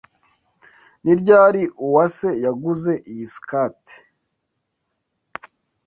Ni ryari Uwase yaguze iyi skirt?